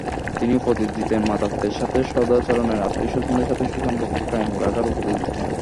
তিনি উপদেশ দিতেন মাতাপিতার সাথে সদাচরণের, আত্মীয় স্বজনদের সাথে সুসম্পর্ক কায়েম রাখার উপদেশ দিতেন।